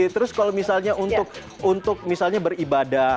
terus kalau misalnya untuk misalnya beribadah